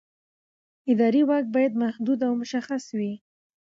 اداري واک باید محدود او مشخص وي.